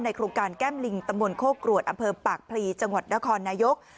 โครงการแก้มลิงตำบลโคกรวดอำเภอปากพลีจังหวัดนครนายก